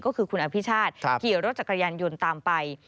ก็คือคุณอภิชาติขี่รถจักรยานยนต์ตามไป